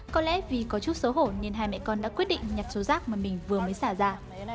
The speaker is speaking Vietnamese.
có lẽ vì có chút xấu hổ nên hai mẹ con đã quyết định nhặt số rác mà mình vừa mới xả ra